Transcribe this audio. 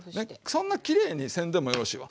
そんなきれいにせんでもよろしいわ。